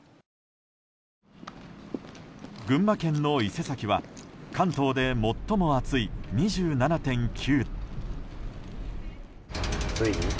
群馬県の伊勢崎は関東で最も暑い２７．９。